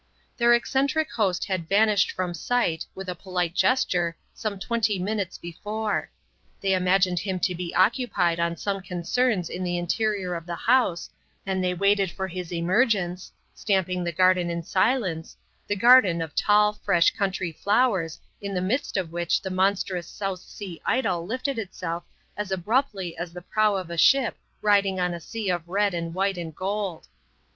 Their eccentric host had vanished from sight, with a polite gesture, some twenty minutes before. They imagined him to be occupied on some concerns in the interior of the house, and they waited for his emergence, stamping the garden in silence the garden of tall, fresh country flowers, in the midst of which the monstrous South Sea idol lifted itself as abruptly as the prow of a ship riding on a sea of red and white and gold.